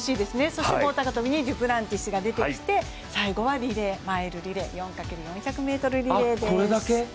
そして棒高跳にデュプランティスが出てきて最後はリレー、マイルリレー４×４００ｍリレーです。